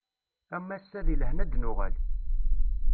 Am wass-a di lehna ad d-nuɣal.